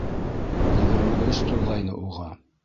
— Егерме өс тулғайны уға.